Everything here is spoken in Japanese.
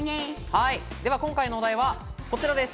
今回のお題はこちらです！